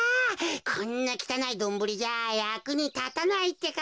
こんなきたないドンブリじゃやくにたたないってか。